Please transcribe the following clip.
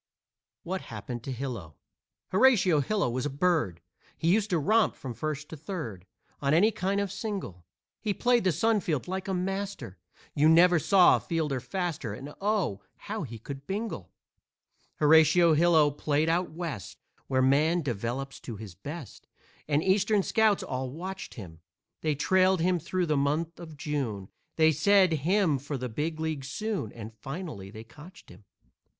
WHAT HAPPENED TO HILO Horatio Hilo was a bird, He used to romp from first to third On any kind of single. He played the sun field like a master, You never saw a fielder faster, And oh, how he could bingle! Horatio Hilo played out West, Where man develops to his best, And Eastern scouts all watched him; They trailed him through the month of June, They said, "Him for the big league soon," And finally they cotched him.